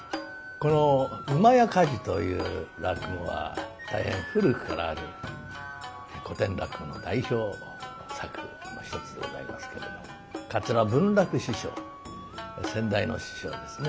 この「厩火事」という落語は大変古くからある古典落語の代表作の一つでございますけれども桂文楽師匠先代の師匠ですね